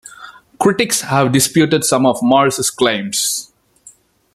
Critics have disputed some of Morris's claims.